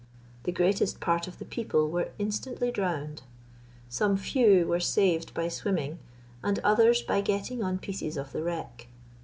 The greatest part of the people were instantly drowned. Some few were saved by swimming, and others by getting on pieces of the wreck.